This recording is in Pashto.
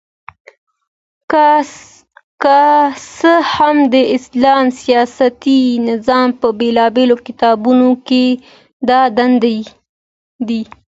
که څه هم د اسلام سياسي نظام په بيلابېلو کتابونو کي دا دندي